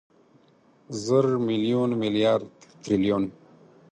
زر، ميليون، ميليارد، تریلیون